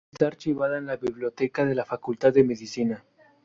Está archivada en la Biblioteca de la Facultad de Medicina.